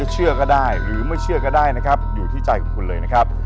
โชคดีสวัสดีครับ